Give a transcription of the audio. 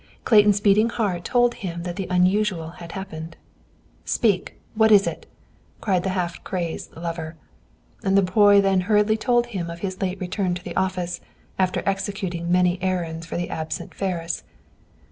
Clayton's beating heart told him that the unusual had happened. "Speak! What is it?" cried the half crazed lover. And the boy then hurriedly told him of his late return to the office, after executing many errands for the absent Ferris.